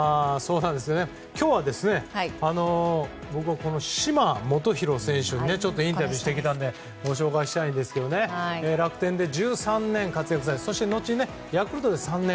今日は、僕は嶋基宏選手にインタビューしてきたのでご紹介したいんですが楽天で１３年、活躍されそして後にヤクルトで３年。